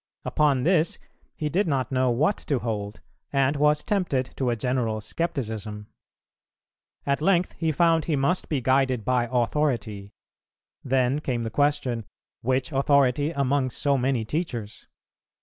Upon this, he did not know what to hold, and was tempted to a general scepticism. At length he found he must be guided by Authority; then came the question, Which authority among so many teachers?